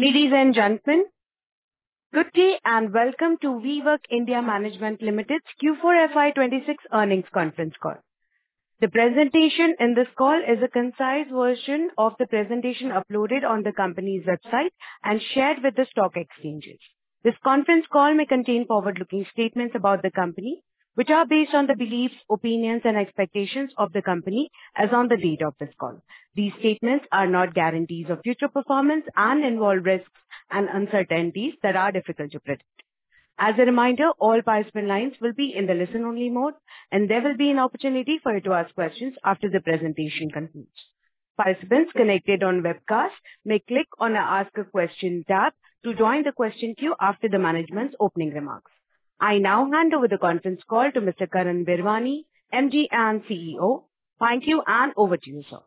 Ladies and gentlemen, good day, and welcome to WeWork India Management Limited's Q4 FY 2026 earnings conference call. The presentation in this call is a concise version of the presentation uploaded on the company's website and shared with the stock exchanges. This conference call may contain forward-looking statements about the company, which are based on the beliefs, opinions, and expectations of the company as on the date of this call. These statements are not guarantees of future performance and involve risks and uncertainties that are difficult to predict. As a reminder, all participant lines will be in the listen-only mode, and there will be an opportunity for you to ask questions after the presentation concludes. Participants connected on webcast may click on the Ask a Question tab to join the question queue after the management's opening remarks. I now hand over the conference call to Mr. Karan Virwani, MD and CEO. Thank you, and over to you, sir.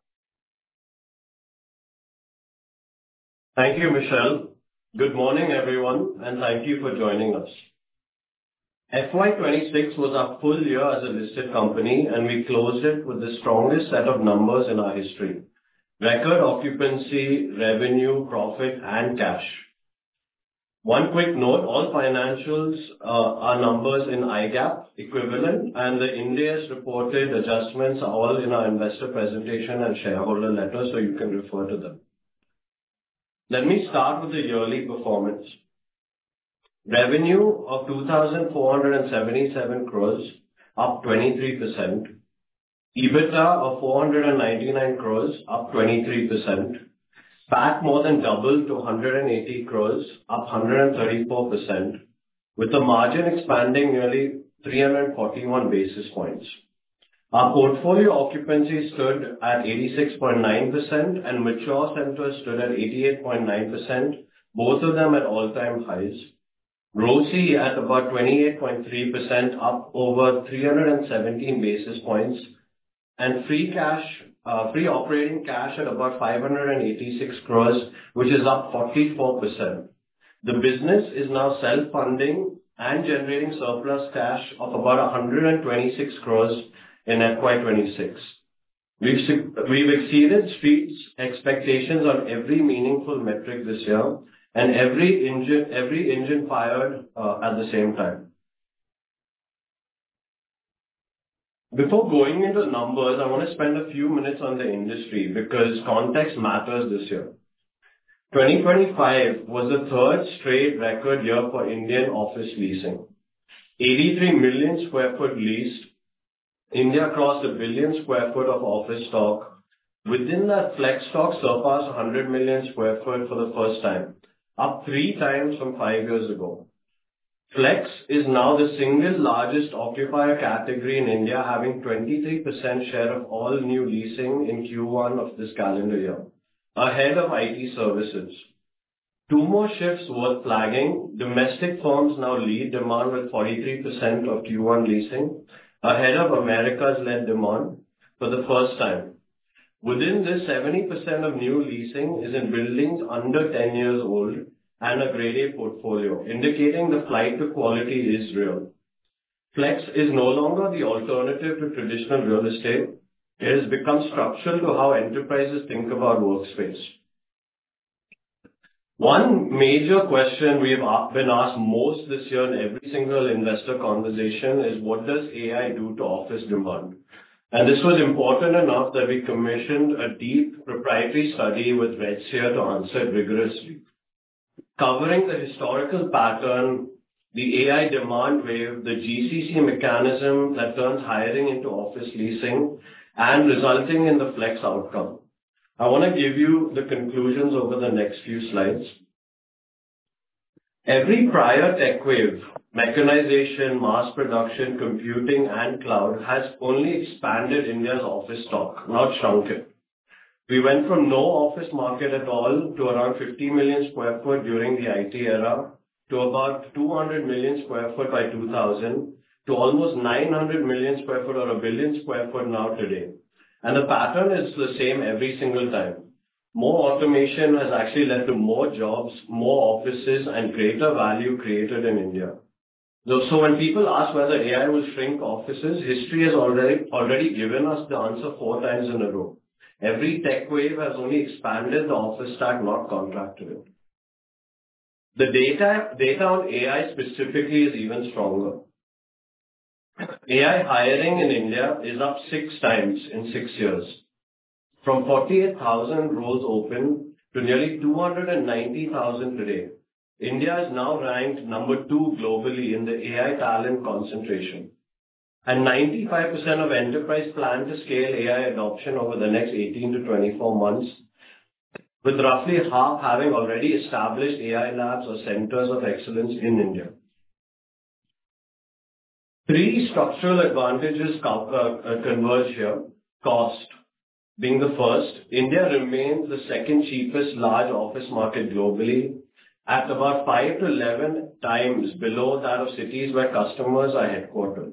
Thank you, Michelle. Good morning, everyone, and thank you for joining us. FY 2026 was our full year as a listed company, and we closed it with the strongest set of numbers in our history. Record occupancy, revenue, profit, and cash. One quick note, all financials are numbers in IGAAP equivalent, and the Ind AS reported adjustments are all in our investor presentation and shareholder letter, so you can refer to them. Let me start with the yearly performance. Revenue of 2,477 crore, up 23%. EBITDA of 499 crore, up 23%. PAT more than doubled to 180 crore, up 134%, with the margin expanding nearly 341 basis points. Our portfolio occupancy stood at 86.9%, and mature centers stood at 88.9%, both of them at all-time highs. ROCE at about 28.3%, up over 317 basis points, and free operating cash at about 586 crore, which is up 44%. The business is now self-funding and generating surplus cash of about 126 crore in FY 2026. We've exceeded Street's expectations on every meaningful metric this year. Every engine fired at the same time. Before going into the numbers, I want to spend a few minutes on the industry because context matters this year. 2025 was the third straight record year for Indian office leasing. 83,000,000 sq ft leased. India crossed 1 billion sq ft of office stock. Within that, flex stock surpassed 100 million sq ft for the first time, up three times from five years ago. Flex is now the single largest occupier category in India, having 23% share of all new leasing in Q1 of this calendar year, ahead of IT services. Two more shifts worth flagging. Domestic firms now lead demand with 43% of Q1 leasing, ahead of America-led demand for the first time. Within this, 70% of new leasing is in buildings under 10 years old and a Grade A portfolio, indicating the flight to quality is real. Flex is no longer the alternative to traditional real estate. It has become structural to how enterprises think about workspace. One major question we've been asked most this year in every single investor conversation is: What does AI do to office demand? This was important enough that we commissioned a deep proprietary study with Redseer to answer it rigorously. Covering the historical pattern, the AI demand wave, the GCC mechanism that turns hiring into office leasing, and resulting in the flex outcome. I want to give you the conclusions over the next few slides. Every prior tech wave, mechanization, mass production, computing, and cloud, has only expanded India's office stock, not shrunk it. We went from no office market at all to around 50 million sq ft during the IT era, to about 200 million sq ft by 2000, to almost 900 million sq ft or 1 billion sq ft now today. The pattern is the same every single time. More automation has actually led to more jobs, more offices, and greater value created in India. When people ask whether AI will shrink offices, history has already given us the answer four times in a row. Every tech wave has only expanded the office stock, not contracted it. The data on AI specifically is even stronger. AI hiring in India is up six times in six years. From 48,000 roles open to nearly 290,000 today, India is now ranked number two globally in the AI talent concentration, and 95% of enterprise plan to scale AI adoption over the next 18-24 months, with half having already established AI labs or centers of excellence in India. Three structural advantages converge here. Cost being the first. India remains the second cheapest large office market globally at about 5-11 times below that of cities where customers are headquartered.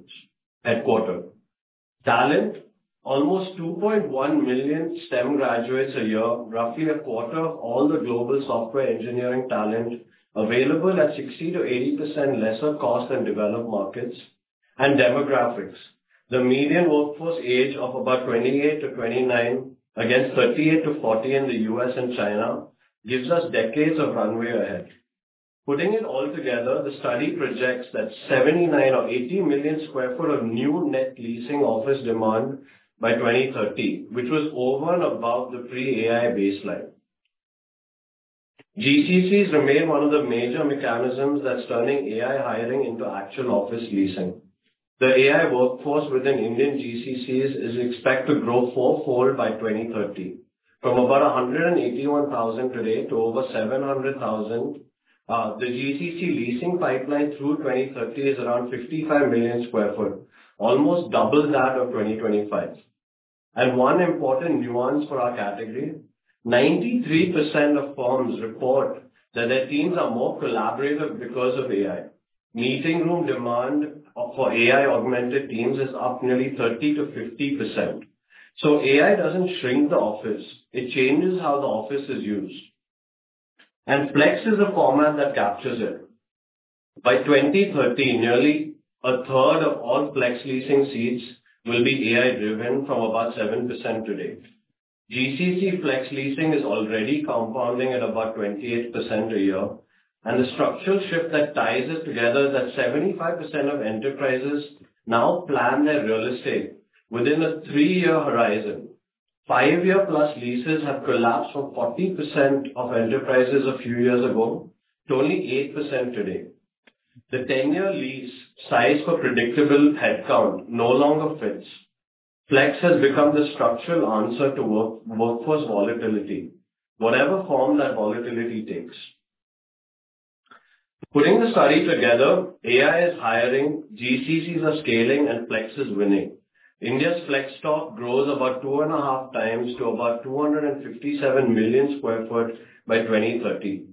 Talent, almost 2.1 million STEM graduates a year, roughly a quarter of all the global software engineering talent available at 60%-80% lesser cost than developed markets. Demographics. The median workforce age of about 28-29 against 38-40 in the U.S. and China gives us decades of runway ahead. Putting it all together, the study projects that 79 million sq ft or 80 million sq ft of new net leasing office demand by 2030, which was over and above the pre-AI baseline. GCCs remain one of the major mechanisms that's turning AI hiring into actual office leasing. The AI workforce within Indian GCCs is expected to grow fourfold by 2030 from about 181,000 today to over 700,000. The GCC leasing pipeline through 2030 is around 55 million sq ft, almost double that of 2025. One important nuance for our category, 93% of firms report that their teams are more collaborative because of AI. Meeting room demand for AI-augmented teams is up nearly 30%-50%. AI doesn't shrink the office, it changes how the office is used. Flex is a format that captures it. By 2030, nearly 1/3 of all flex leasing seats will be AI-driven from about 7% today. GCC flex leasing is already compounding at about 28% a year. The structural shift that ties it together is that 75% of enterprises now plan their real estate within a three-year horizon. Five-year plus leases have collapsed from 40% of enterprises a few years ago to only 8% today. The 10-year lease size for predictable headcount no longer fits. Flex has become the structural answer to workforce volatility, whatever form that volatility takes. Putting the study together, AI is hiring, GCCs are scaling, and Flex is winning. India's Flex stock grows about two and a half times to about 257 million sq ft by 2030.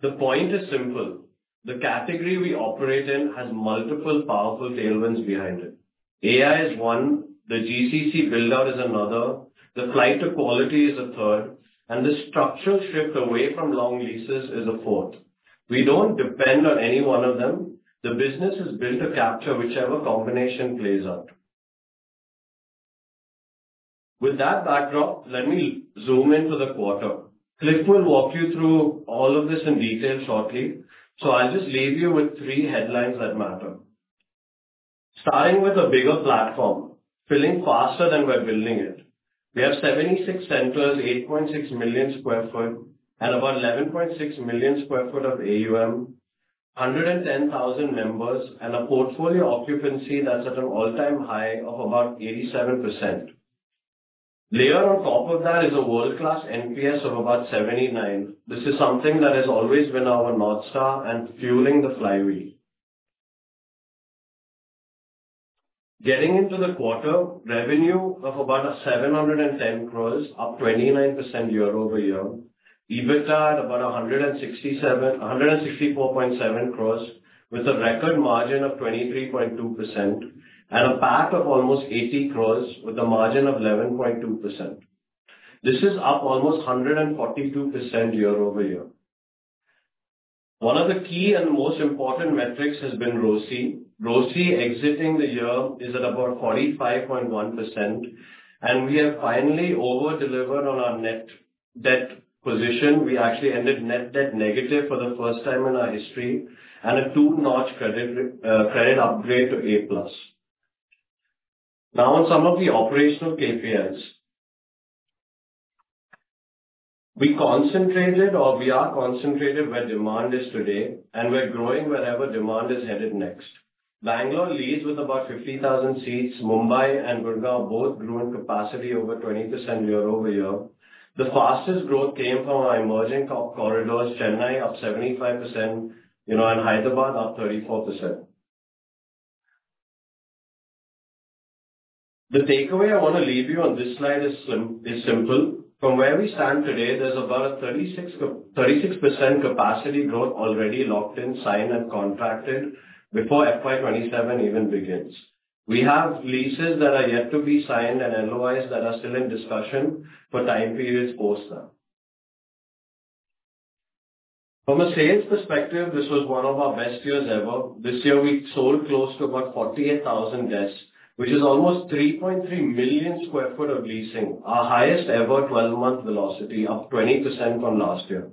The point is simple. The category we operate in has multiple powerful tailwinds behind it. AI is one, the GCC build-out is another, the flight to quality is 1/3, and the structural shift away from long leases is a fourth. We don't depend on any one of them. The business is built to capture whichever combination plays out. With that backdrop, let me zoom in for the quarter. Cliff will walk you through all of this in detail shortly. I'll just leave you with three headlines that matter. Starting with a bigger platform, filling faster than we're building it. We have 76 centers, 8.6 million sq ft, and about 11.6 million sq ft of AUM, 110,000 members, and a portfolio occupancy that's at an all-time high of about 87%. Layer on top of that is a world-class NPS of about 79. This is something that has always been our North Star and fueling the flywheel. Getting into the quarter, revenue of about 710 crore, up 29% year-over-year. EBITDA at about 164.7 crore with a record margin of 23.2%, and a PAT of almost 80 crore with a margin of 11.2%. This is up almost 142% year-over-year. One of the key and most important metrics has been ROCE. ROCE exiting the year is at about 45.1%, and we have finally over-delivered on our net debt position. We actually ended net debt negative for the first time in our history, and a two notch credit upgrade to A+. Now on some of the operational KPIs. We concentrated or we are concentrated where demand is today, and we're growing wherever demand is headed next. Bangalore leads with about 50,000 seats. Mumbai and Gurgaon both grew in capacity over 20% year-over-year. The fastest growth came from our emerging top corridors, Chennai up 75% and Hyderabad up 34%. The takeaway I want to leave you on this slide is simple. From where we stand today, there is about 36% capacity growth already locked in, signed, and contracted before FY 2027 even begins. We have leases that are yet to be signed and LOIs that are still in discussion for time periods post that. From a sales perspective, this was one of our best years ever. This year, we sold close to about 48,000 desks, which is almost 3.3 million sq ft of leasing, our highest ever 12-month velocity, up 20% from last year.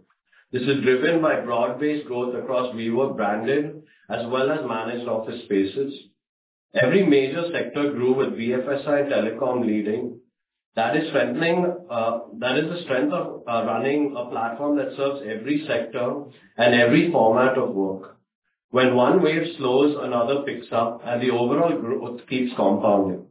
This is driven by broad-based growth across WeWork-branded as well as Managed Offices spaces. Every major sector grew with BFSI, telecom leading. That is the strength of running a platform that serves every sector and every format of work. When one wave slows, another picks up, and the overall growth keeps compounding.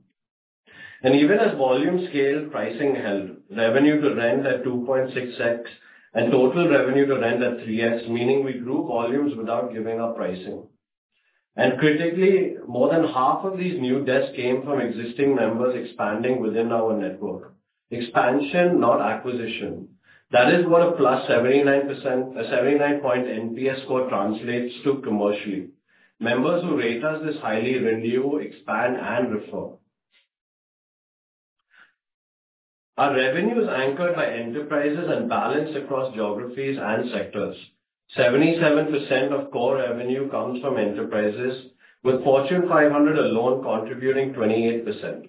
Even as volume scaled, pricing held. Revenue to rent at 2.6x and total revenue to rent at 3x, meaning we grew volumes without giving up pricing. Critically, more than half of these new desks came from existing members expanding within our network. Expansion, not acquisition. That is what a +79-point NPS score translates to commercially. Members who rate us this highly renew, expand, and refer. Our revenue is anchored by enterprises and balanced across geographies and sectors. 77% of core revenue comes from enterprises, with Fortune 500 alone contributing 28%.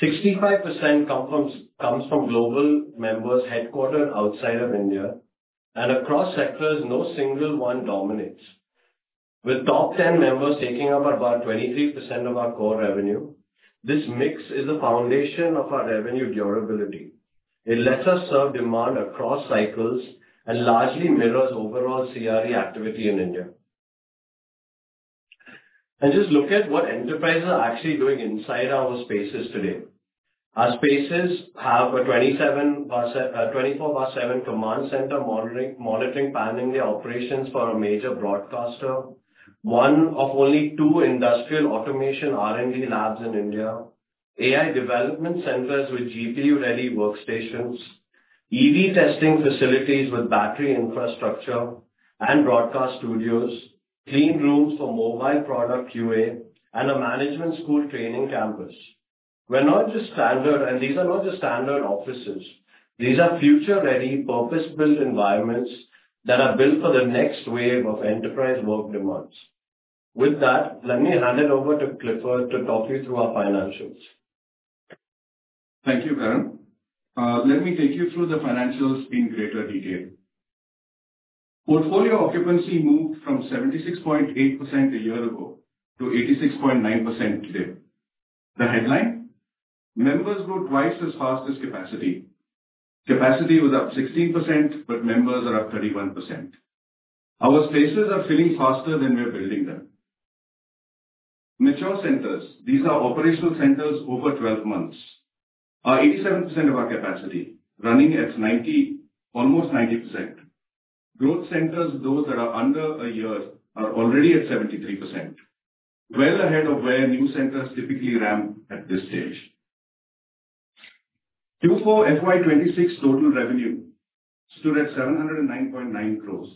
65% comes from global members headquartered outside of India. Across sectors, no single one dominates. With top 10 members taking up about 23% of our core revenue, this mix is the foundation of our revenue durability. It lets us serve demand across cycles and largely mirrors overall CRE activity in India. Just look at what enterprises are actually doing inside our spaces today. Our spaces have a 24 by 7 command center monitoring pan-India operations for a major broadcaster, one of only two industrial automation R&D labs in India, AI development centers with GPU-ready workstations, EV testing facilities with battery infrastructure, and broadcast studios, clean rooms for mobile product QA, and a management school training campus. These are not just standard offices. These are future-ready, purpose-built environments that are built for the next wave of enterprise work demands. With that, let me hand it over to Clifford to talk you through our financials. Thank you, Karan. Let me take you through the financials in greater detail. Portfolio occupancy moved from 76.8% a year ago to 86.9% today. The headline, members grow twice as fast as capacity. Capacity was up 16%, but members are up 31%. Our spaces are filling faster than we are building them. Mature centers, these are operational centers over 12 months, are 87% of our capacity, running at almost 90%. Growth centers, those that are under a year, are already at 73%, well ahead of where new centers typically ramp at this stage. Q4 FY 2026 total revenue stood at 709.9 crore,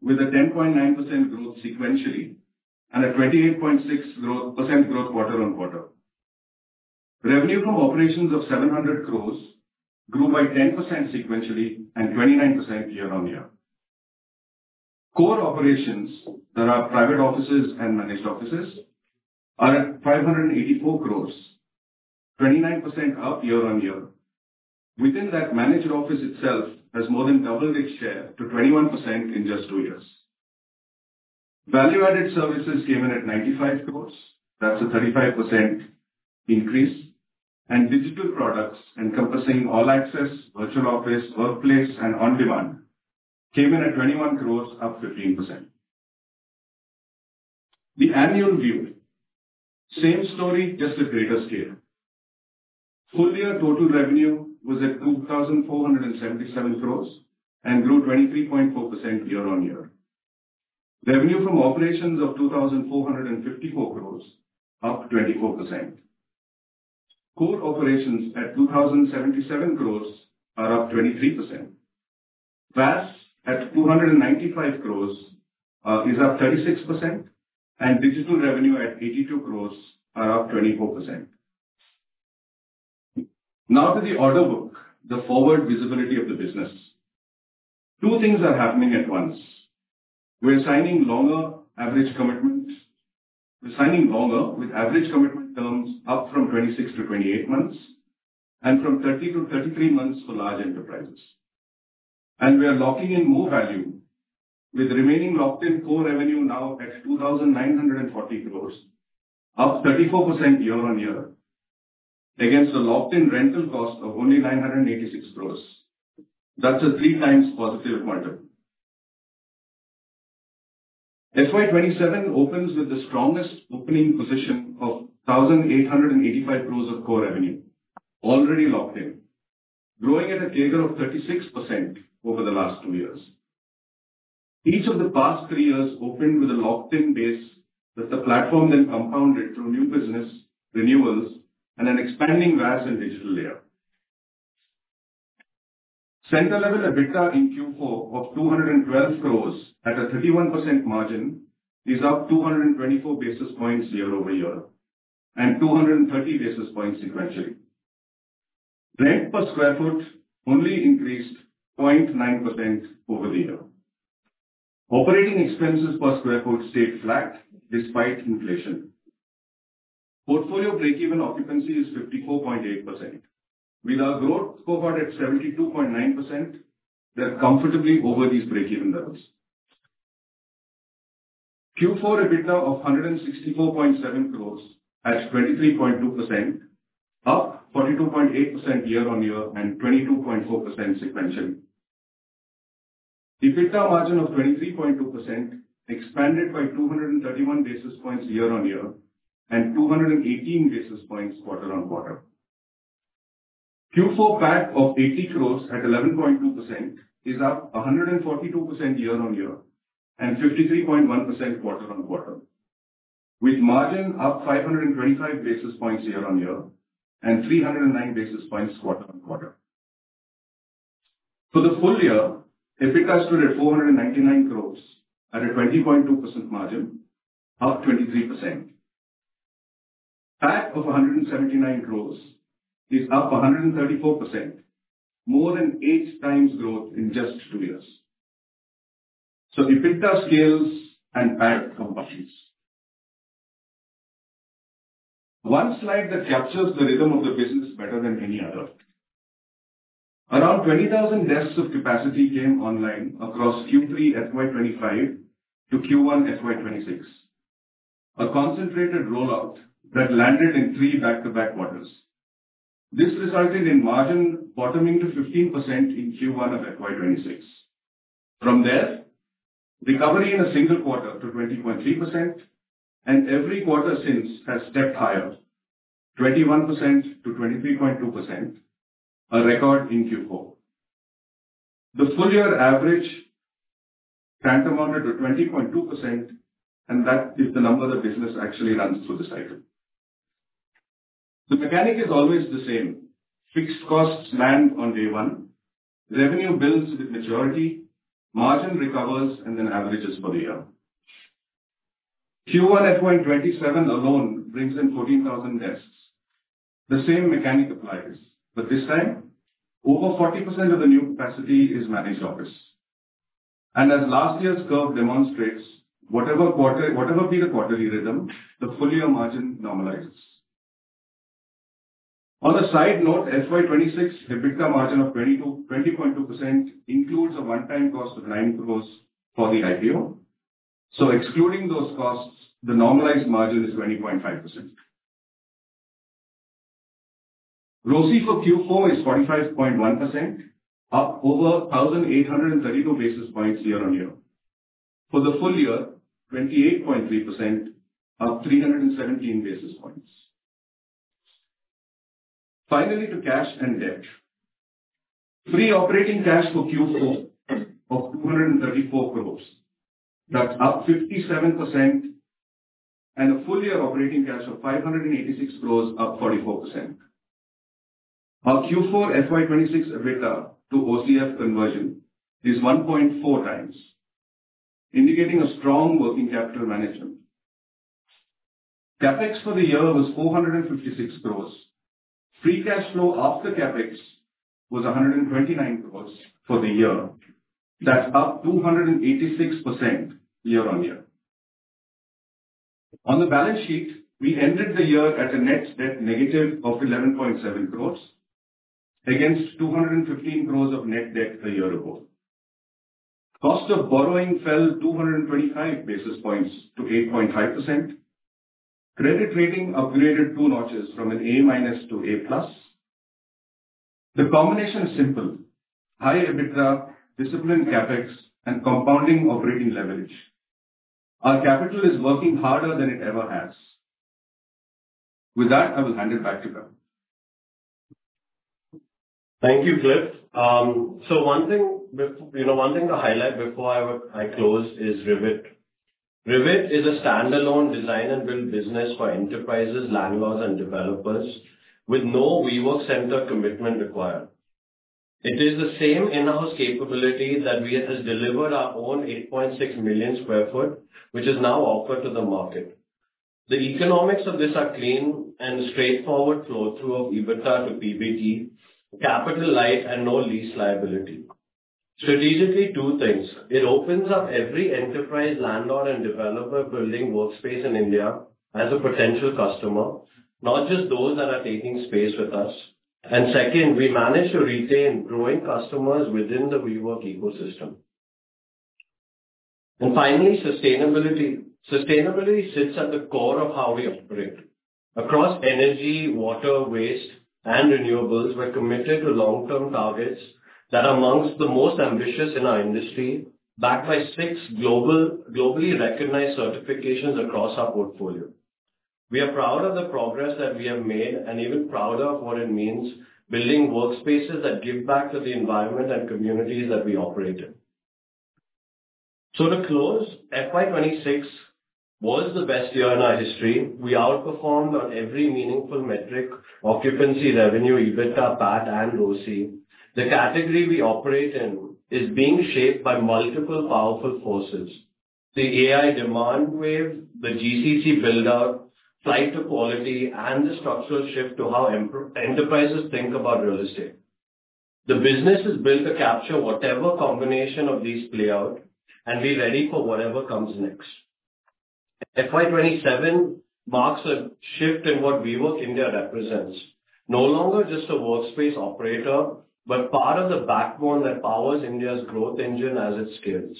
with a 10.9% growth sequentially and a 28.6% growth quarter-on-quarter. Revenue from operations of 700 crore grew by 10% sequentially and 29% year-on-year. Core operations that are Private Offices and Managed Offices are at 584 crore, 29% up year-on-year. Within that, Managed Offices itself has more than doubled its share to 21% in just two years. Value-added services came in at 95 crore. That's a 35% increase. Digital products encompassing All Access, Virtual Office, Workplace, and On-demand came in at 21 crore, up 15%. The annual view. Same story, just at greater scale. Full year total revenue was at 2,477 crore and grew 23.4% year-on-year. Revenue from operations of 2,454 crore, up 24%. Core operations at 2,077 crore are up 23%. VAS at 295 crore is up 36%. Digital revenue at 82 crore are up 24%. To the order book, the forward visibility of the business. Two things are happening at once. We're signing longer average commitment. We're signing longer with average commitment terms up from 26-28 months and from 30-33 months for large enterprises. We are locking in more value with remaining locked-in core revenue now at 2,940 crore, up 34% year-on-year against a locked-in rental cost of only 986 crore. That's a 3x positive multiple. FY 2027 opens with the strongest opening position of 1,885 crore of core revenue already locked in, growing at a CAGR of 36% over the last two years. Each of the past three years opened with a locked-in base that the platform then compounded through new business renewals and an expanding VAS and digital layer. Center level EBITDA in Q4 of 212 crore at a 31% margin is up 224 basis points year-over-year and 230 basis points sequentially. Rent per square foot only increased 0.9% over the year. Operating expenses per square foot stayed flat despite inflation. Portfolio break-even occupancy is 54.8%. With our growth cohort at 72.9%, we are comfortably over these break-even levels. Q4 EBITDA of 164.7 crore at 23.2%, up 42.8% year-on-year and 22.4% sequentially. EBITDA margin of 23.2% expanded by 231 basis points year-over-year and 218 basis points quarter-over-quarter. Q4 PAT of 80 crore at 11.2% is up 142% year-over-year and 53.1% quarter-over-quarter, with margin up 525 basis points year-over-year and 309 basis points quarter-over-quarter. For the full year, EBITDA stood at 499 crore at a 20.2% margin, up 23%. PAT of 179 crore is up 134%, more than 8x growth in just two years. EBITDA scales and PAT compounds. One slide that captures the rhythm of the business better than any other. Around 20,000 desks of capacity came online across Q3 FY 2025 to Q1 FY 2026, a concentrated rollout that landed in three back-to-back quarters. This resulted in margin bottoming to 15% in Q1 of FY 2026. From there, recovery in a single quarter to 20.3%. Every quarter since has stepped higher, 21%-23.2%, a record in Q4. The full year average tantamounted to 20.2%. That is the number the business actually runs to this item. The mechanic is always the same. Fixed costs land on day one, revenue builds with maturity, margin recovers and then averages for the year. Q1 FY 2027 alone brings in 14,000 desks. The same mechanic applies. This time, over 40% of the new capacity is Managed Offices. As last year's curve demonstrates, whatever be the quarterly rhythm, the full year margin normalizes. On a side note, FY 2026 EBITDA margin of 20.2% includes a one-time cost of 9 crore for the IPO. Excluding those costs, the normalized margin is 20.5%. ROCE for Q4 is 45.1%, up over 1,832 basis points year-on-year. For the full year, 28.3%, up 317 basis points. Finally to cash and debt. Free operating cash for Q4 of 234 crore. That's up 57%, and a full year operating cash of 586 crore, up 44%. Our Q4 FY 2026 EBITDA to OCF conversion is 1.4x, indicating a strong working capital management. CapEx for the year was 456 crore. Free cash flow after CapEx was 129 crore for the year. That's up 286% year-on-year. On the balance sheet, we ended the year at a net debt negative of 11.7 crore against 215 crore of net debt a year ago. Cost of borrowing fell 225 basis points to 8.5%. Credit rating upgraded two notches from an A- to A+. The combination is simple. High EBITDA, disciplined CapEx, and compounding operating leverage. Our capital is working harder than it ever has. With that, I will hand it back to Karan. Thank you, Cliff. One thing to highlight before I close is Rivet. Rivet is a standalone design and build business for enterprises, landlords, and developers with no WeWork center commitment required. It is the same in-house capability that we have delivered our own 8.6 million sq ft, which is now offered to the market. The economics of this are clean and straightforward flow through of EBITDA to PBT, capital light, and no lease liability. Strategically, two things. It opens up every enterprise landlord and developer building workspace in India as a potential customer, not just those that are taking space with us. Second, we manage to retain growing customers within the WeWork ecosystem. Finally, sustainability. Sustainability sits at the core of how we operate. Across energy, water, waste, and renewables, we're committed to long-term targets that are amongst the most ambitious in our industry, backed by six globally recognized certifications across our portfolio. We are proud of the progress that we have made and even prouder of what it means building workspaces that give back to the environment and communities that we operate in. To close, FY 2026 was the best year in our history. We outperformed on every meaningful metric, occupancy, revenue, EBITDA, PAT, and ROCE. The category we operate in is being shaped by multiple powerful forces. The AI demand wave, the GCC build-out, flight to quality, and the structural shift to how enterprises think about real estate. The business has built to capture whatever combination of these play out and be ready for whatever comes next. FY 2027 marks a shift in what WeWork India represents. No longer just a workspace operator, but part of the backbone that powers India's growth engine as it scales.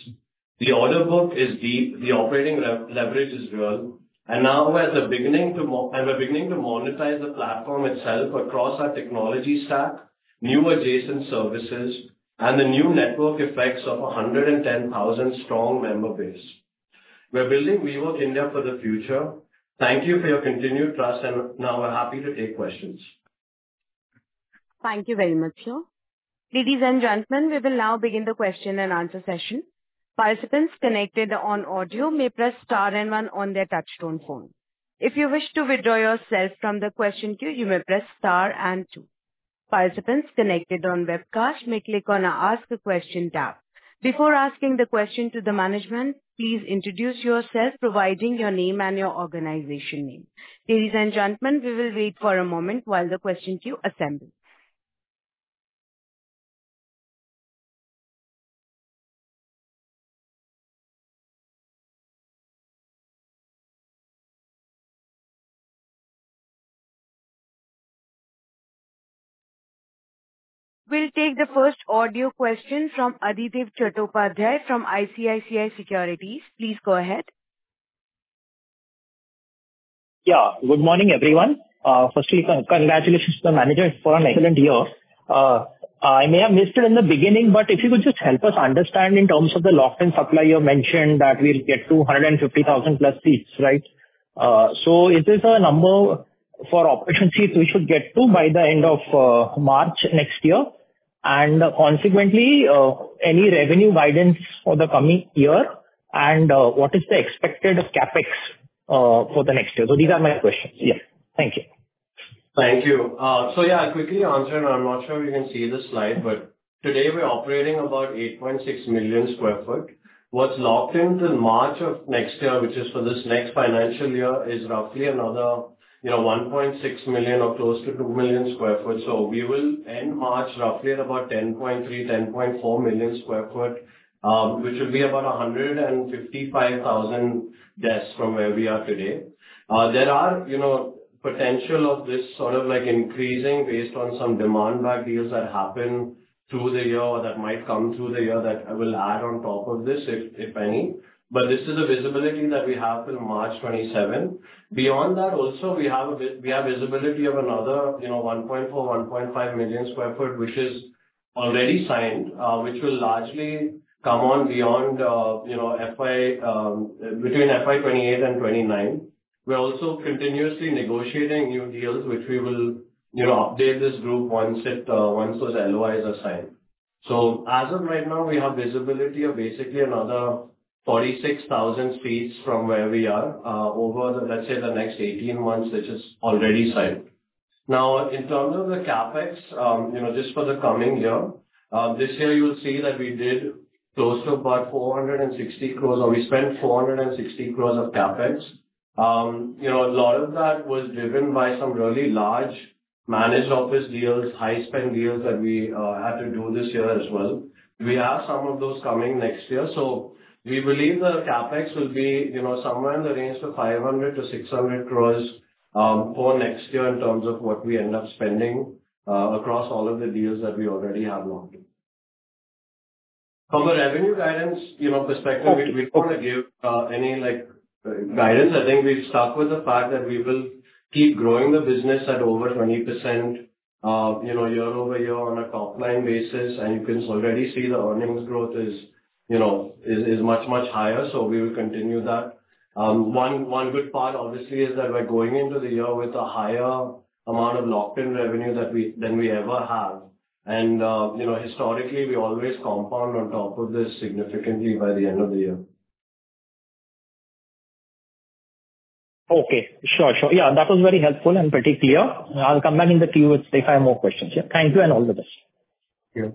The order book is deep, the operating leverage is real, and we're beginning to monetize the platform itself across our technology stack, new adjacent services, and the new network effects of a 110,000 strong member base. We're building WeWork India for the future. Thank you for your continued trust, and now we're happy to take questions. Thank you very much, sir. Ladies and gentlemen, we will now begin the question-and-answer session. Participants connected on audio may press star one on their touchtone phone. If you wish to withdraw yourself from the question queue, you may press star two. Participants connected on webcast may click on the Ask a Question tab. Before asking the question to the management, please introduce yourself, providing your name and your organization name. Ladies and gentlemen, we will wait for a moment while the question queue assembles. We will take the first audio question from Adhidev Chattopadhyay from ICICI Securities. Please go ahead. Yeah. Good morning, everyone. Firstly, congratulations to the management for an excellent year. I may have missed it in the beginning, but if you could just help us understand in terms of the locked-in supply, you mentioned that we'll get to 150,000+ seats, right? Is this a number for operation seats we should get to by the end of March next year? Consequently, any revenue guidance for the coming year, and what is the expected CapEx for the next year? These are my questions. Yeah. Thank you. Thank you. Yeah, I'll quickly answer, and I'm not sure if you can see the slide, but today we're operating about 8.6 million sq ft. What's locked in till March 2025, which is for this next financial year, is roughly another 1.6 million or close to 2 million sq ft. We will end March roughly at about 10.3 million sq ft, 10.4 million sq ft, which will be about 155,000 desks from where we are today. There are potential of this sort of increasing based on some demand-back deals that happen through the year, or that might come through the year that I will add on top of this, if any. This is the visibility that we have till March 2027. Beyond that, also, we have visibility of another 1.4 million sq ft, 1.5 million sq ft, which is already signed, which will largely come on between FY 2028 and 2029. We're also continuously negotiating new deals, which we will update this group once those LOIs are signed. As of right now, we have visibility of basically another 46,000 seats from where we are over, let's say, the next 18 months, which is already signed. In terms of the CapEx, just for the coming year. This year, you'll see that we did close to about 460 crore, or we spent 460 crore of CapEx. A lot of that was driven by some really large Managed Offices deals, high-spend deals that we had to do this year as well. We have some of those coming next year. We believe the CapEx will be somewhere in the range of 500 crore-600 crore for next year in terms of what we end up spending across all of the deals that we already have locked in. From a revenue guidance perspective, we cannot give any guidance. I think we've stuck with the fact that we will keep growing the business at over 20% year-over-year on a top-line basis, and you can already see the earnings growth is much, much higher. We will continue that. One good part, obviously, is that we're going into the year with a higher amount of locked-in revenue than we ever have. Historically, we always compound on top of this significantly by the end of the year. Okay. Sure. That was very helpful and pretty clear. I'll come back in the queue if I have more questions. Thank you, and all the best.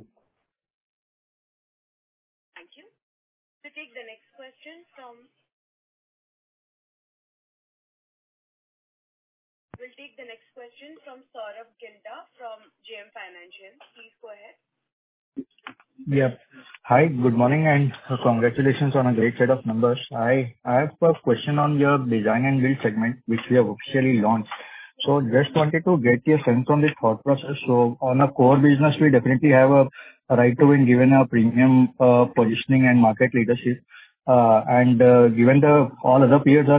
Thank you. Thank you. We'll take the next question from Sourabh Gilda from JM Financial. Please go ahead. Yeah. Hi, good morning. Congratulations on a great set of numbers. I have a question on your design and build segment, which we have officially launched. Just wanted to get your sense on this thought process. On a core business, we definitely have a right to win, given our premium positioning and market leadership. Given that all other peers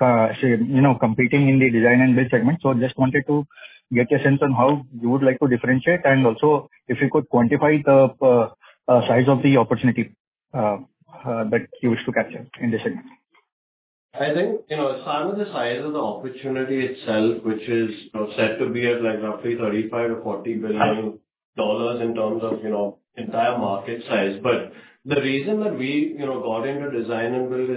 are competing in the design and build segment, so just wanted to get your sense on how you would like to differentiate, and also if you could quantify the size of the opportunity that you wish to capture in this segment. I think, as far as the size of the opportunity itself, which is set to be at roughly $35 billion-$40 billion in terms of entire market size. The reason that we got into design and build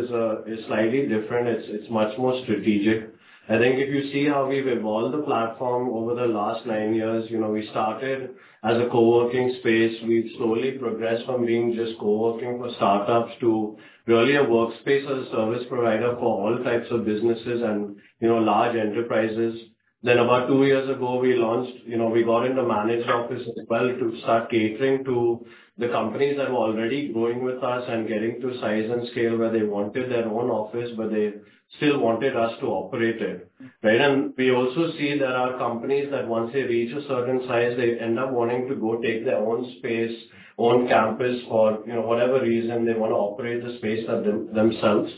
is slightly different. It's much more strategic. I think if you see how we've evolved the platform over the last nine years, we started as a co-working space. We've slowly progressed from being just co-working for startups to really a workspace as a service provider for all types of businesses and large enterprises. About two years ago, we got into Managed Offices as well to start catering to the companies that were already going with us and getting to a size and scale where they wanted their own office, but they still wanted us to operate it. Right? We also see there are companies that once they reach a certain size, they end up wanting to go take their own space on campus for whatever reason they want to operate the space themselves.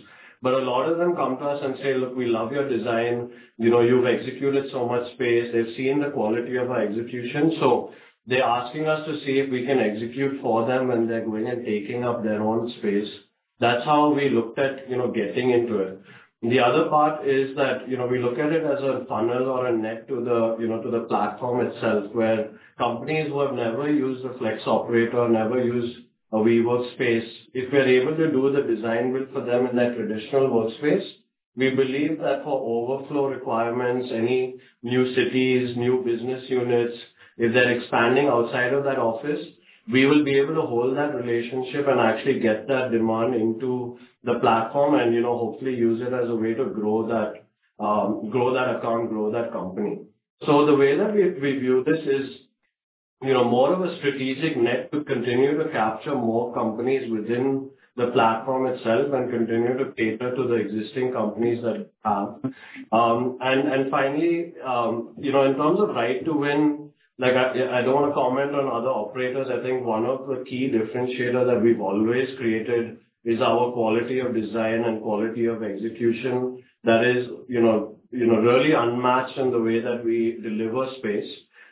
A lot of them come to us and say, "Look, we love your design. You've executed so much space." They've seen the quality of our execution. They're asking us to see if we can execute for them when they're going and taking up their own space. That's how we looked at getting into it. The other part is that we look at it as a funnel or a net to the platform itself, where companies who have never used a flex operator, never used a WeWork space. If we're able to do the design build for them in their traditional workspace, we believe that for overflow requirements, any new cities, new business units, if they're expanding outside of that office, we will be able to hold that relationship and actually get that demand into the platform, and hopefully use it as a way to grow that account, grow that company. The way that we view this is more of a strategic net to continue to capture more companies within the platform itself and continue to cater to the existing companies that we have. Finally, in terms of right to win, I don't want to comment on other operators. I think one of the key differentiator that we've always created is our quality of design and quality of execution. That is really unmatched in the way that we deliver space.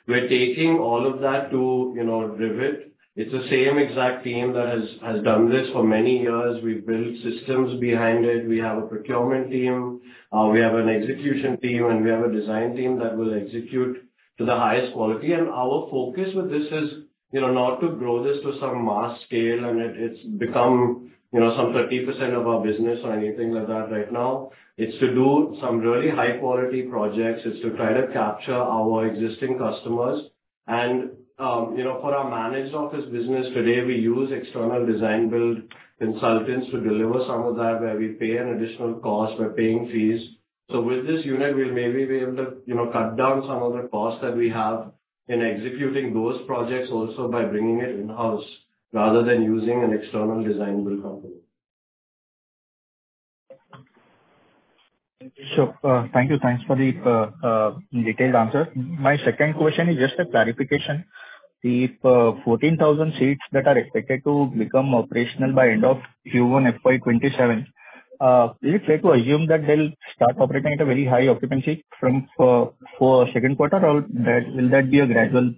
We're taking all of that to Rivet. It's the same exact team that has done this for many years. We've built systems behind it. We have a procurement team, we have an execution team, and we have a design team that will execute to the highest quality. Our focus with this is not to grow this to some mass scale, and it's become some 30% of our business or anything like that right now. It's to do some really high-quality projects. It's to try to capture our existing customers. For our Managed Offices business today, we use external design build consultants to deliver some of that, where we pay an additional cost, we're paying fees. With this unit, we'll maybe be able to cut down some of the costs that we have in executing those projects also by bringing it in-house rather than using an external design build company. Sure. Thank you. Thanks for the detailed answer. My second question is just a clarification. The 14,000 seats that are expected to become operational by end of Q1 FY 2027, is it fair to assume that they'll start operating at a very high occupancy from second quarter, or will that be a gradual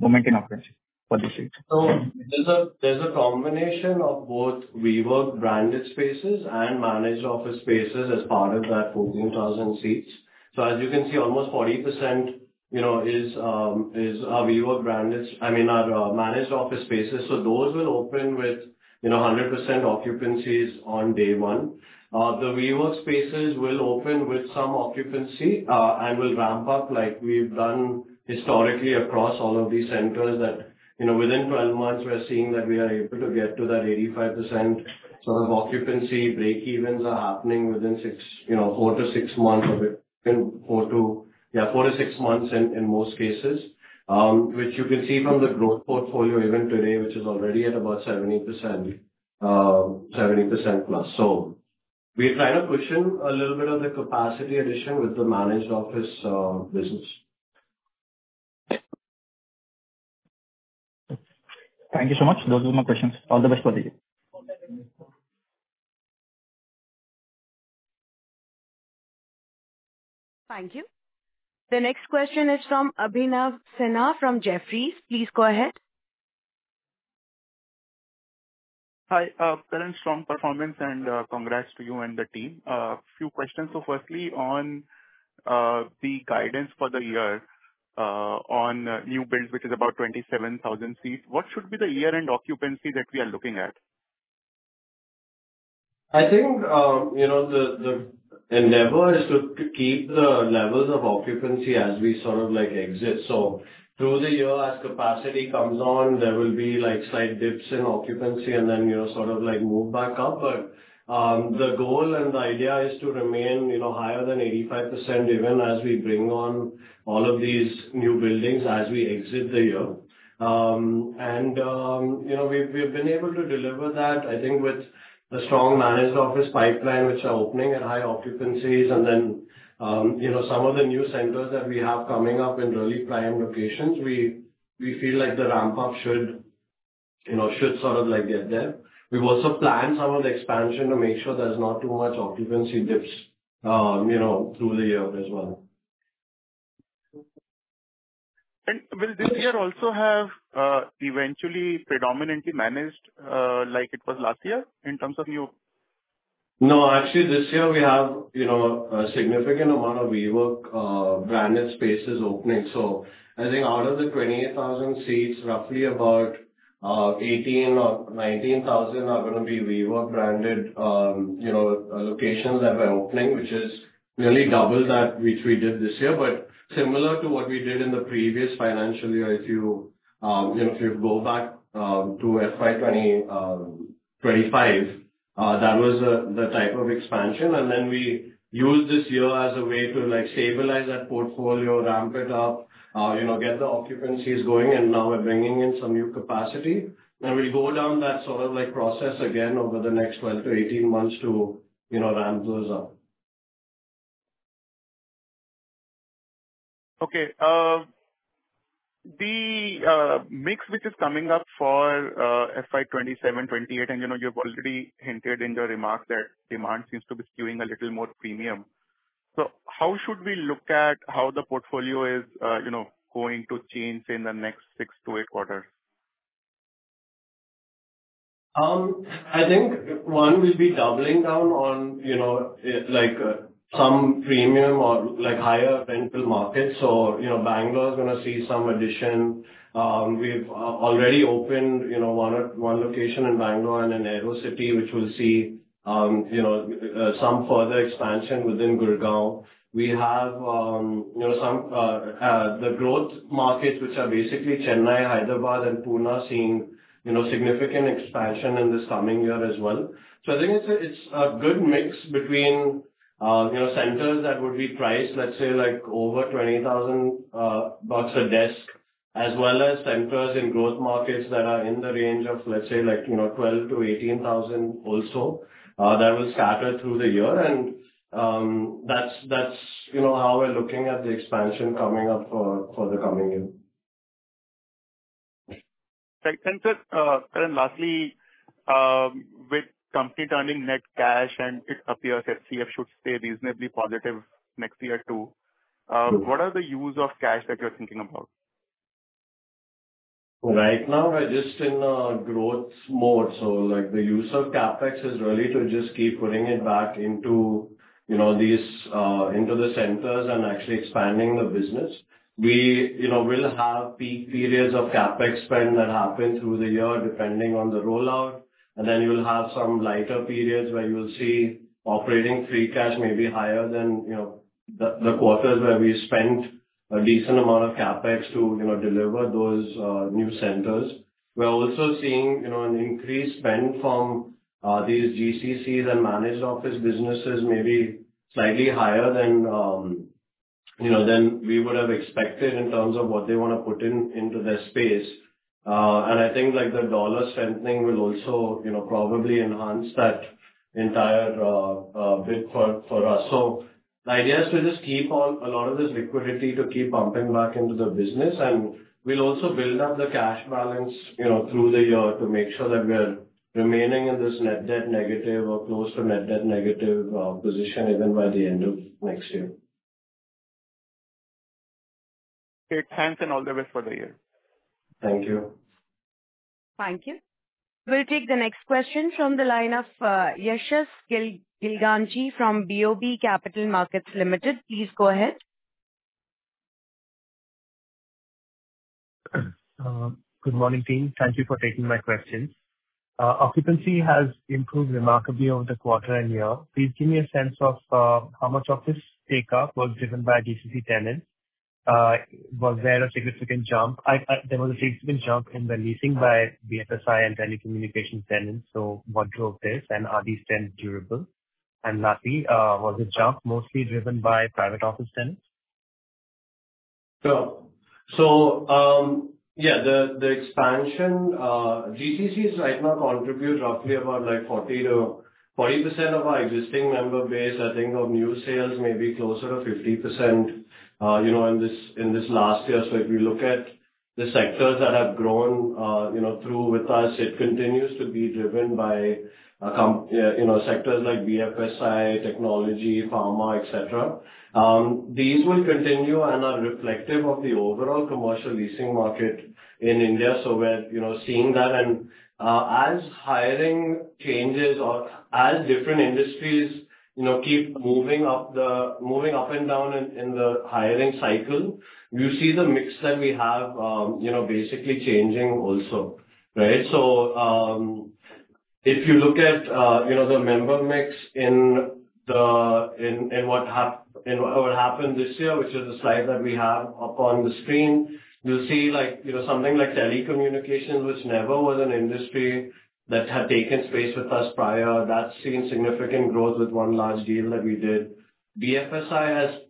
momentum occupancy for the seats? There's a combination of both WeWork branded spaces and Managed Offices spaces as part of that 14,000 seats. As you can see, almost 40% is our Managed Offices spaces. Those will open with 100% occupancies on day one. The WeWork spaces will open with some occupancy, and will ramp up like we've done historically across all of these centers that within 12 months, we're seeing that we are able to get to that 85% sort of occupancy. Breakevens are happening within four to six months in most cases, which you can see from the growth portfolio even today, which is already at about 70%+. We try to cushion a little bit of the capacity addition with the Managed Offices business. Thank you so much. Those are my questions. All the best for the day. Thank you. The next question is from Abhinav Sinha from Jefferies. Please go ahead. Hi. Current strong performance, and congrats to you and the team. A few questions. Firstly, on the guidance for the year, on new builds, which is about 27,000 seats, what should be the year-end occupancy that we are looking at? I think, the endeavor is to keep the levels of occupancy as we sort of like exit. Through the year, as capacity comes on, there will be slight dips in occupancy and then sort of move back up. The goal and the idea is to remain higher than 85% even as we bring on all of these new buildings as we exit the year. We've been able to deliver that, I think with the strong Managed Offices pipeline, which are opening at high occupancies, and then some of the new centers that we have coming up in really prime locations, we feel like the ramp up should sort of get there. We've also planned some of the expansion to make sure there's not too much occupancy dips through the year as well. Will this year also have eventually predominantly managed, like it was last year in terms of new? No. This year we have a significant amount of WeWork branded spaces opening. Out of the 28,000 seats, roughly about 18 or 19,000 are going to be WeWork branded locations that we're opening, which is nearly double that which we did this year. Similar to what we did in the previous financial year, if you go back to FY 2025, that was the type of expansion. We used this year as a way to stabilize that portfolio, ramp it up, get the occupancies going, and now we're bringing in some new capacity. We'll go down that sort of process again over the next 12-18 months to ramp those up. Okay. The mix which is coming up for FY 2027, FY 2028, you've already hinted in your remarks that demand seems to be skewing a little more premium. How should we look at how the portfolio is going to change in the next six to eight quarters? I think, one, we'll be doubling down on some premium or higher rental markets. Bangalore is going to see some addition. We've already opened one location in Bangalore and in Aero City, which will see some further expansion within Gurgaon. We have the growth markets, which are basically Chennai, Hyderabad, and Pune, are seeing significant expansion in this coming year as well. I think it's a good mix between centers that would be priced, let's say, over $20,000 a desk, as well as centers in growth markets that are in the range of, let's say, $12,000-$18,000 also. That will scatter through the year. That's how we're looking at the expansion coming up for the coming year. Right. Thanks, sir. Lastly, with the company turning net cash, and it appears that CF should stay reasonably positive next year too, what are the use of cash that you're thinking about? Right now, we're just in a growth mode. The use of CapEx is really to just keep putting it back into the centers and actually expanding the business. We'll have peak periods of CapEx spend that happen through the year, depending on the rollout. You'll have some lighter periods where you'll see operating free cash may be higher than the quarters where we spent a decent amount of CapEx to deliver those new centers. We're also seeing an increased spend from these GCCs and Managed Offices businesses, maybe slightly higher than we would have expected in terms of what they want to put into their space. I think the dollar strengthening will also probably enhance that entire bit for us. The idea is to just keep a lot of this liquidity to keep pumping back into the business. We'll also build up the cash balance through the year to make sure that we're remaining in this net debt negative or close to net debt negative position even by the end of next year. Great. Thanks. All the best for the year. Thank you. Thank you. We'll take the next question from the line of Yashas Gilganchi from BOB Capital Markets Limited. Please go ahead. Good morning, team. Thank you for taking my questions. Occupancy has improved remarkably over the quarter and year. Please give me a sense of how much of this take-up was driven by GCC tenants. Was there a significant jump? There was a significant jump in the leasing by BFSI and telecommunication tenants. What drove this, and are these trends durable? Lastly, was the jump mostly driven by private office tenants? Sure. Yeah, the expansion, GCCs right now contribute roughly about 40% of our existing member base. I think of new sales may be closer to 50% in this last year. If we look at the sectors that have grown through with us, it continues to be driven by sectors like BFSI, technology, pharma, etc. These will continue and are reflective of the overall commercial leasing market in India. We're seeing that. As hiring changes or as different industries keep moving up and down in the hiring cycle, you see the mix that we have basically changing also, right? If you look at the member mix in what happened this year, which is the slide that we have up on the screen, you'll see something like telecommunications, which never was an industry that had taken space with us prior. That's seen significant growth with one large deal that we did. BFSI has,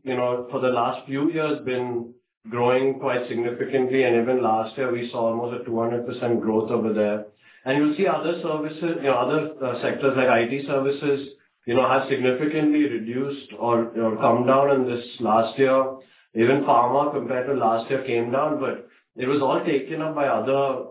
for the last few years, been growing quite significantly. Even last year, we saw almost a 200% growth over there. You'll see other sectors like IT services, have significantly reduced or come down in this last year. Even pharma, compared to last year, came down, but it was all taken up by other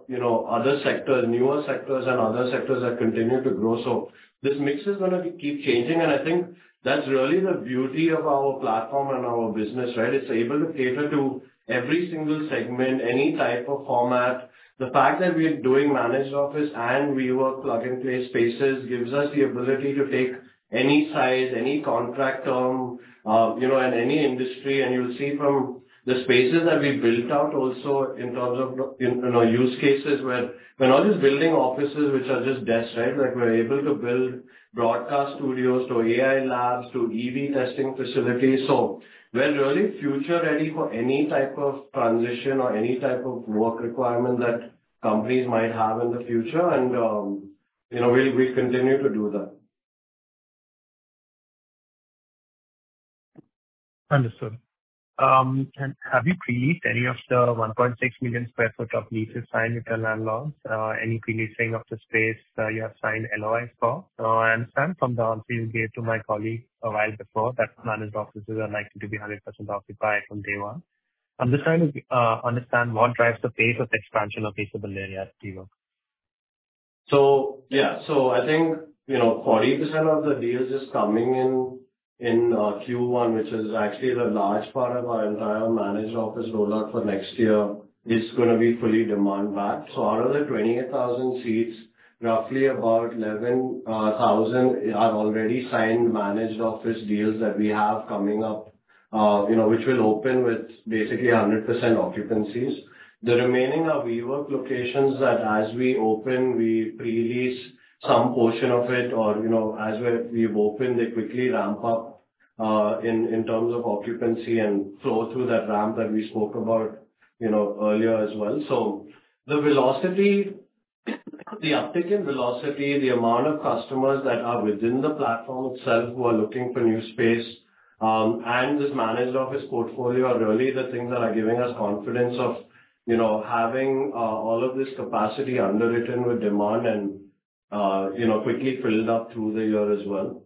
sectors, newer sectors and other sectors that continue to grow. This mix is going to keep changing, and I think that's really the beauty of our platform and our business. It's able to cater to every single segment, any type of format. The fact that we're doing Managed Offices and WeWork plug-and-play spaces gives us the ability to take any size, any contract term, and any industry, and you'll see from the spaces that we built out also in terms of use cases where we're not just building offices, which are just desks, right? We're able to build broadcast studios to AI labs to EV testing facilities. We're really future-ready for any type of transition or any type of work requirement that companies might have in the future. We'll continue to do that. Understood. Have you pre-leased any of the 1.6 million sq ft of leases signed with the landlords? Any pre-leasing of the space you have signed LOIs for? I understand from the answer you gave to my colleague a while before that Managed Offices are likely to be 100% occupied from day one. I am just trying to understand what drives the pace of expansion of leaseable area at WeWork. I think 40% of the deals just coming in Q1, which is actually the large part of our entire Managed Offices rollout for next year, is going to be fully demand backed. Out of the 28,000 seats, roughly about 11,000 are already signed Managed Offices deals that we have coming up, which will open with basically 100% occupancies. The remaining are WeWork locations that as we open, we pre-lease some portion of it or, as we've opened, they quickly ramp up, in terms of occupancy and flow through that ramp that we spoke about earlier as well. The uptick in velocity, the amount of customers that are within the platform itself who are looking for new space, and this Managed Offices portfolio are really the things that are giving us confidence of having all of this capacity underwritten with demand and quickly filled up through the year as well.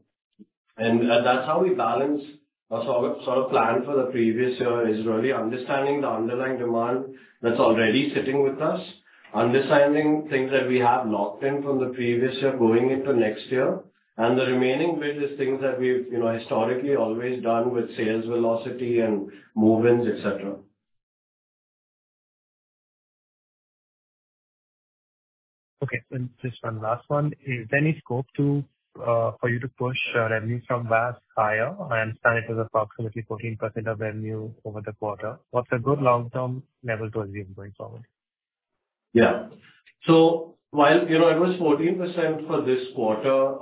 That's how we balance. Our plan for the previous year is really understanding the underlying demand that's already sitting with us, understanding things that we have locked in from the previous year going into next year, the remaining bit is things that we've historically always done with sales velocity and move-ins, etc. Okay. Just one last one. Is there any scope for you to push revenue from VAS higher? I understand it was approximately 14% of revenue over the quarter. What's a good long-term level to achieve going forward? While it was 14% for this quarter,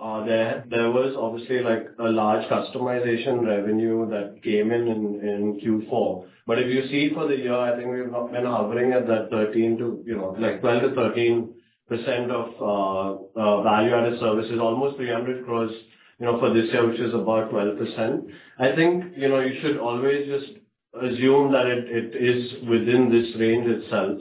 there was obviously a large customization revenue that came in in Q4. If you see for the year, I think we've been hovering at that 12%-13% of value-added services, almost 300 crore for this year, which is about 12%. I think you should always just assume that it is within this range itself.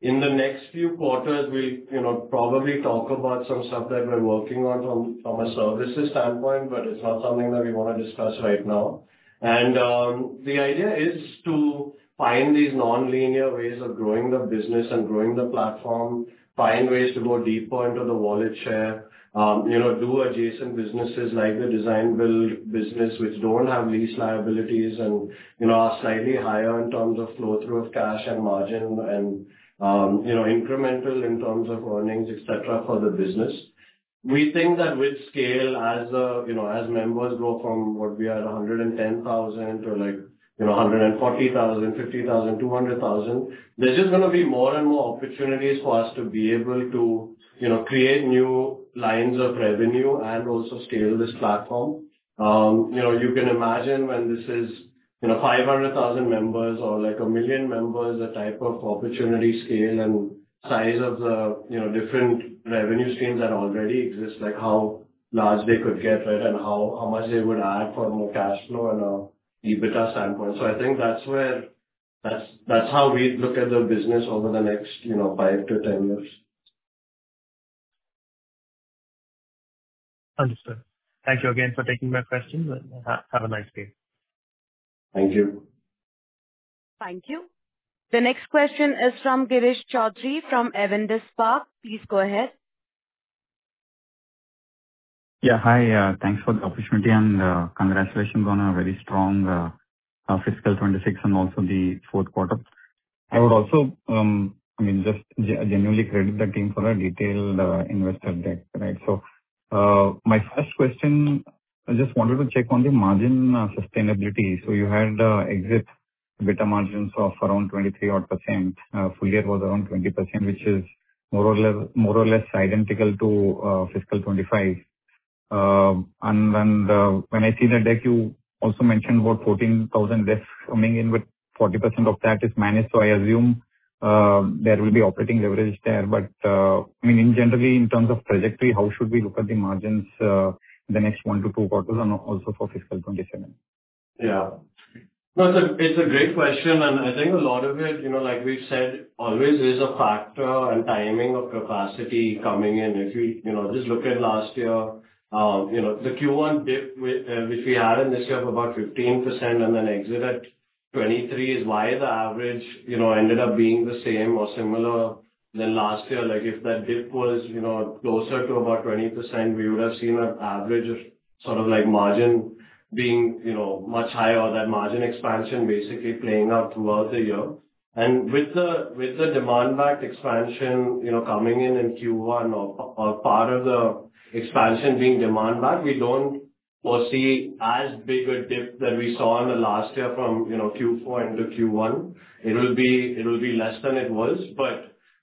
In the next few quarters, we'll probably talk about some stuff that we're working on from a services standpoint, it's not something that we want to discuss right now. The idea is to find these nonlinear ways of growing the business and growing the platform, find ways to go deeper into the wallet share, do adjacent businesses like the design-build business, which don't have lease liabilities and are slightly higher in terms of flow-through of cash and margin and incremental in terms of earnings, etc, for the business. We think that with scale, as members go from what we are at 110,000-140,000, 50,000, 200,000, there's just going to be more and more opportunities for us to be able to create new lines of revenue and also scale this platform. You can imagine when this is 500,000 members or 1 million members, the type of opportunity scale and size of the different revenue streams that already exist, how large they could get, and how much they would add for more cash flow and EBITDA standpoint. I think that's how we look at the business over the next 5-10 years. Understood. Thank you again for taking my questions and have a nice day. Thank you. Thank you. The next question is from Girish Choudhary from Avendus Spark. Please go ahead. Hi. Thanks for the opportunity, and congratulations on a very strong fiscal 2026 and also the fourth quarter. I would also just genuinely credit the team for a detailed investor deck. My first question, I just wanted to check on the margin sustainability. You had exit EBITDA margins of around 23% odd. Full year was around 20%, which is more or less identical to fiscal 2025. When I see the deck, you also mentioned about 14,000 desks coming in with 40% of that is managed. I assume there will be operating leverage there. Generally, in terms of trajectory, how should we look at the margins the next one to two quarters and also for fiscal 2027? Yeah. No, it's a great question. I think a lot of it, like we've said, always is a factor in timing of capacity coming in. If we just look at last year, the Q1 dip which we had in this year of about 15% and then exit at 23% is why the average ended up being the same or similar to last year. If that dip was closer to about 20%, we would have seen an average margin being much higher, or that margin expansion basically playing out throughout the year. With the demand-backed expansion coming in in Q1 or part of the expansion being demand-backed, we don't foresee as big a dip that we saw in the last year from Q4 into Q1. It will be less than it was,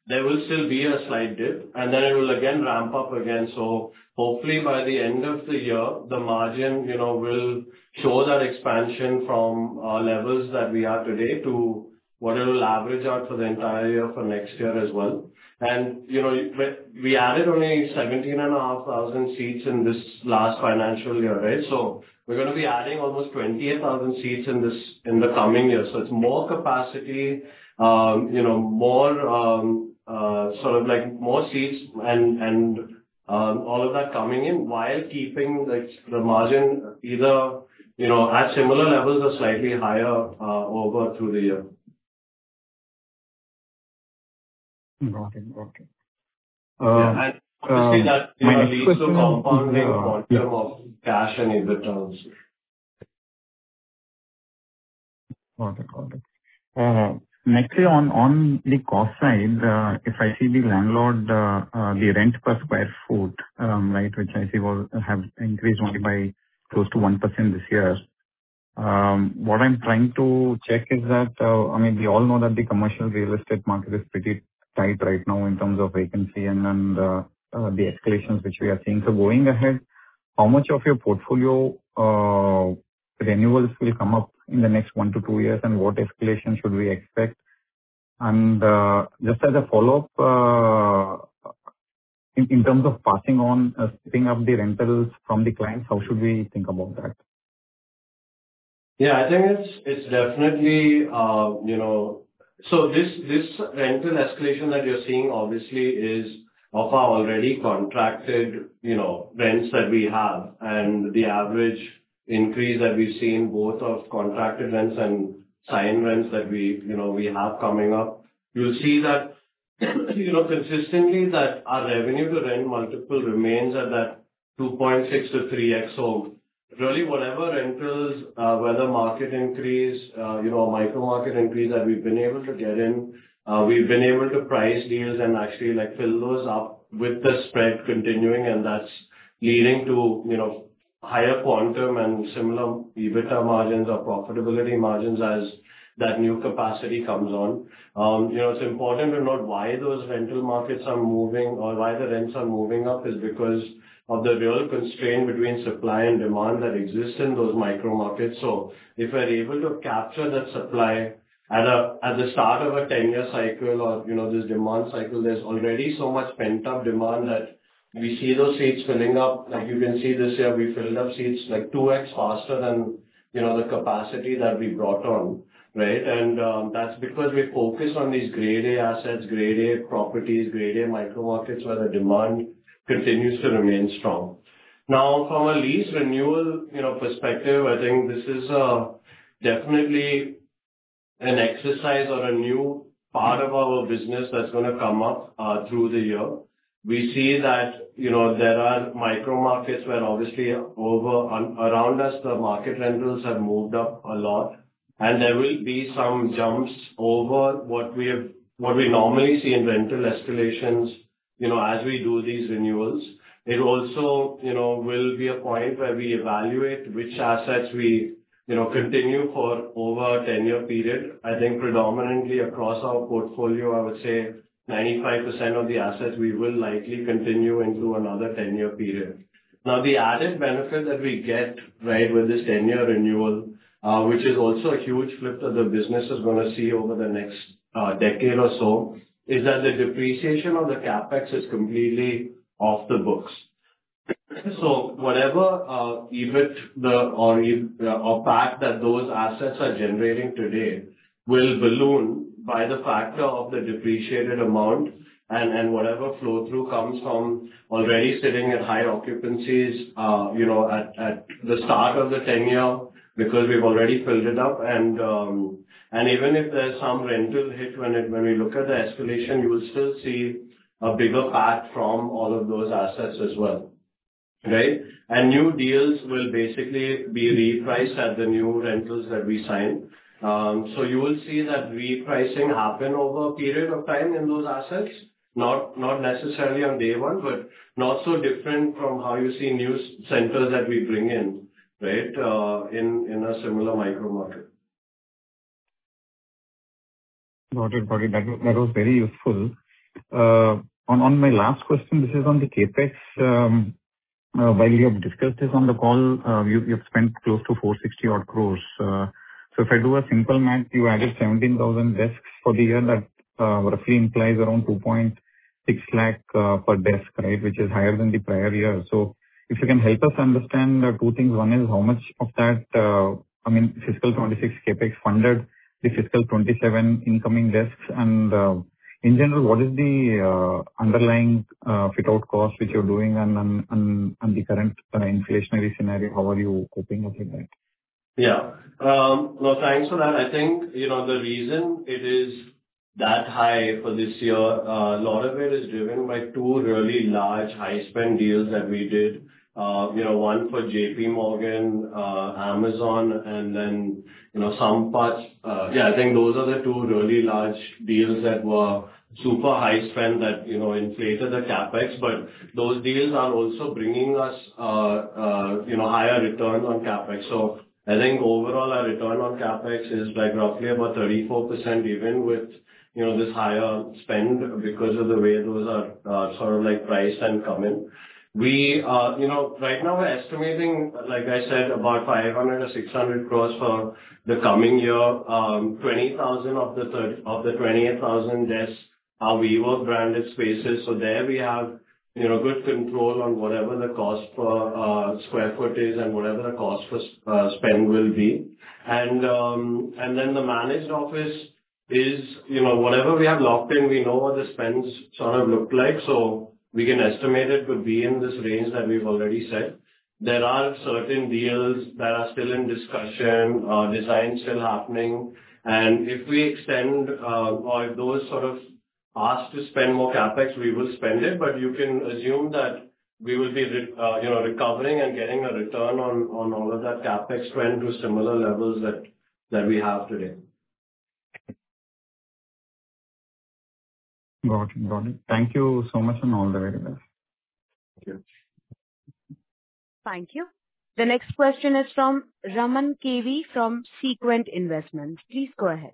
there will still be a slight dip, then it will again ramp up again. Hopefully by the end of the year, the margin will show that expansion from levels that we are today to what it'll average out for the entire year for next year as well. We added only 17,500 seats in this last financial year. We're going to be adding almost 28,000 seats in the coming year. It's more capacity, more seats, and all of that coming in while keeping the margin either at similar levels or slightly higher over through the year. Got it. Okay. Yeah. Obviously that really leads to compounding quantum of cash and EBITDA also. Got it. Nextly, on the cost side, if I see the landlord, the rent per square foot, which I see have increased only by close to 1% this year. What I'm trying to check is that, we all know that the commercial real estate market is pretty tight right now in terms of vacancy and the escalations which we are seeing. Going ahead, how much of your portfolio renewals will come up in the next one to two years, and what escalation should we expect? Just as a follow-up, in terms of passing on, spinning up the rentals from the clients, how should we think about that? Yeah, I think is definitely oh-- So this rental escalation that you're seeing obviously is of our already contracted rents that we have. The average increase that we see in both of contracted rents and signed rents that we have coming up. You'll see that consistently that our revenue to rent multiple remains at that 2.6x-3x. Really whatever rentals, whether market increase, micro market increase that we've been able to get in, we've been able to price deals and actually fill those up with the spread continuing, and that's leading to higher quantum and similar EBITDA margins or profitability margins as that new capacity comes on. It's important to note why those rental markets are moving or why the rents are moving up is because of the real constraint between supply and demand that exists in those micro markets. If we're able to capture that supply at the start of a 10-year cycle or this demand cycle, there's already so much pent-up demand that we see those seats filling up. You can see this year, we filled up seats like 2x faster than the capacity that we brought on, right? That's because we focus on these Grade A assets, Grade A properties, Grade A micro markets where the demand continues to remain strong. From a lease renewal perspective, I think this is definitely an exercise or a new part of our business that's going to come up through the year. We see that there are micro markets where obviously around us, the market rentals have moved up a lot. There will be some jumps over what we normally see in rental escalations as we do these renewals. It also will be a point where we evaluate which assets we continue for over a 10-year period. I think predominantly across our portfolio, I would say 95% of the assets we will likely continue into another 10-year period. Now, the added benefit that we get with this 10-year renewal, which is also a huge flip that the business is going to see over the next decade or so, is that the depreciation of the CapEx is completely off the books. Whatever EBIT or PAT that those assets are generating today will balloon by the factor of the depreciated amount and whatever flow-through comes from already sitting at high occupancies at the start of the 10-year because we've already filled it up. Even if there's some rental hit when we look at the escalation, you will still see a bigger PAT from all of those assets as well. Right? New deals will basically be repriced at the new rentals that we sign. You will see that repricing happen over a period of time in those assets, not necessarily on day one, but not so different from how you see new centers that we bring in, right, in a similar micro market. Got it. Got it. That was very useful. My last question, this is on the CapEx. While you have discussed this on the call, you've spent close to 460-odd crore. If I do a simple math, you added 17,000 desks for the year. That roughly implies around 2.6 lakh per desk, which is higher than the prior year. If you can help us understand two things. One is how much of that fiscal 2026 CapEx funded the fiscal 2027 incoming desks. In general, what is the underlying fit-out cost which you're doing and the current inflationary scenario, how are you coping with that? Thanks for that. I think the reason it is that high for this year, a lot of it is driven by two really large high-spend deals that we did. One for JPMorgan, Amazon, and then Sampath. I think those are the two really large deals that were super high spend that inflated the CapEx. Those deals are also bringing us higher returns on CapEx. I think overall our return on CapEx is roughly about 34% even with this higher spend because of the way those are priced and come in. Right now we're estimating, like I said, about 500 crore or 600 crore for the coming year. 20,000 of the 28,000 desks are WeWork branded spaces. There we have good control on whatever the cost per square foot is and whatever the cost for spend will be. The Managed Office is whatever we have locked in, we know what the spends sort of look like. We can estimate it to be in this range that we have already said. There are certain deals that are still in discussion, design still happening. If we extend or if those Asked to spend more CapEx, we will spend it, but you can assume that we will be recovering and getting a return on all of that CapEx trend to similar levels that we have today. Got it. Thank you so much. All the very best. Thank you. Thank you. The next question is from Raman K.V. from Sequent Investments. Please go ahead.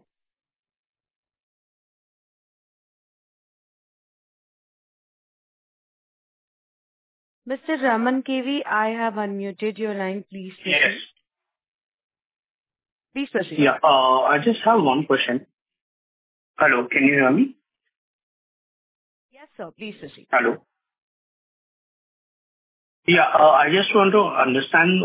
Mr. Raman K.V., I have unmuted your line. Please proceed. Yes. Please proceed. I just have one question. Hello, can you hear me? Yes, sir. Please proceed. Hello. Yeah. I just want to understand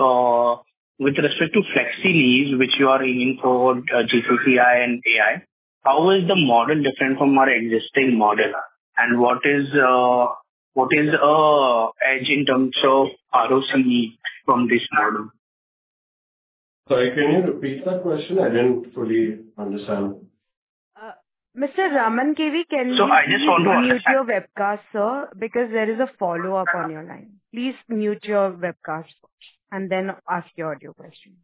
with respect to Flex-lease, which you are aiming for GCC and AI, how is the model different from our existing model? What is edge in terms of ROCE from this model? Sorry, can you repeat that question? I didn't fully understand. Mr. Raman K.V. So I just want to under- mute your webcast, sir, because there is a follow-up on your line. Please mute your webcast first and then ask your audio question.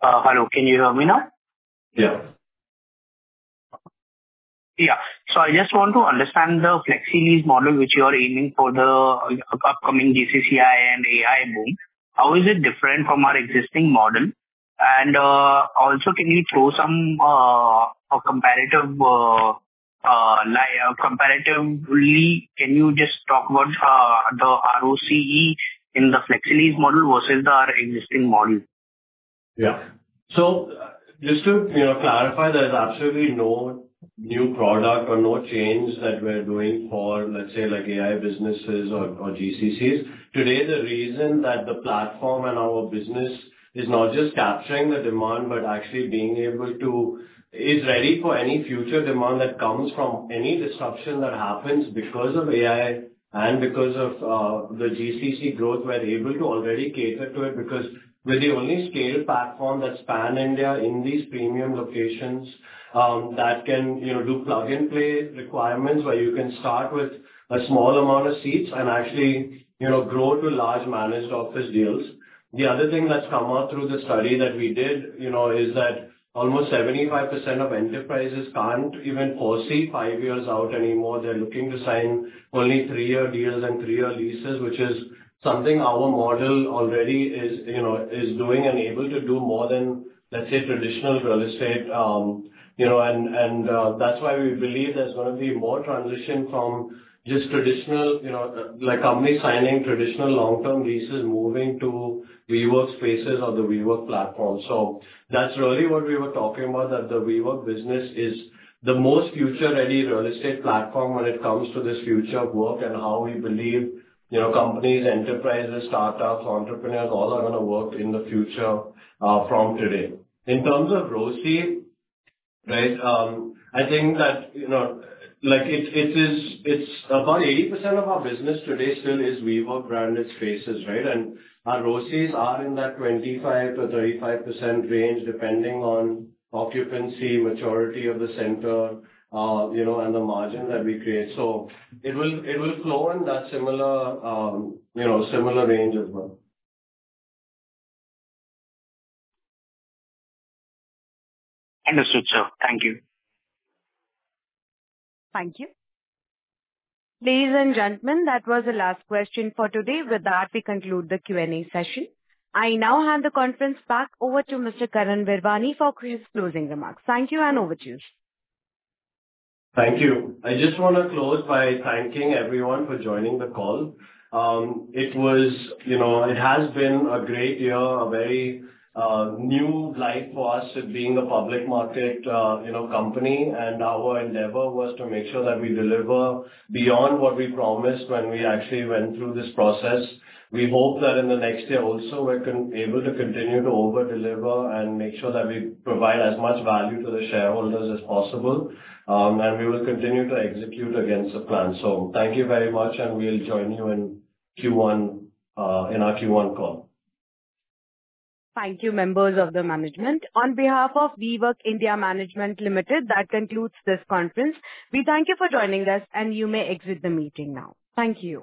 Hello, can you hear me now? Yeah. Yeah. I just want to understand the flexi-lease model which you are aiming for the upcoming GCC and AI boom. How is it different from our existing model? Also, can you just talk about the ROCE in the Flex-lease model versus our existing model? Just to clarify, there's absolutely no new product or no change that we're doing for, let's say, AI businesses or GCCs. Today, the reason that the platform and our business is not just capturing the demand, but actually is ready for any future demand that comes from any disruption that happens because of AI and because of the GCC growth, we're able to already cater to it because we're the only scaled platform that span India in these premium locations that can do plug-and-play requirements where you can start with a small amount of seats and actually grow to large Managed Offices deals. The other thing that's come out through the study that we did is that almost 75% of enterprises can't even foresee five years out anymore. They're looking to sign only three year deals and three year leases, which is something our model already is doing and able to do more than, let's say, traditional real estate. That's why we believe there's going to be more transition from just companies signing traditional long-term leases, moving to WeWork spaces or the WeWork platform. That's really what we were talking about, that the WeWork business is the most future-ready real estate platform when it comes to this future of work and how we believe companies, enterprises, startups, entrepreneurs, all are going to work in the future from today. In terms of ROCE, I think that about 80% of our business today still is WeWork branded spaces, and our ROCEs are in that 25%-35% range, depending on occupancy, maturity of the center, and the margin that we create. It will flow in that similar range as well. Understood, sir. Thank you. Thank you. Ladies and gentlemen, that was the last question for today. With that, we conclude the Q&A session. I now hand the conference back over to Mr. Karan Virwani for his closing remarks. Thank you and over to you, sir. Thank you. I just want to close by thanking everyone for joining the call. It has been a great year, a very new light for us with being a public market company, and our endeavor was to make sure that we deliver beyond what we promised when we actually went through this process. We hope that in the next year also, we're able to continue to over-deliver and make sure that we provide as much value to the shareholders as possible. We will continue to execute against the plan. Thank you very much, and we'll join you in our Q1 call. Thank you, members of the management. On behalf of WeWork India Management Limited, that concludes this conference. We thank you for joining us, and you may exit the meeting now. Thank you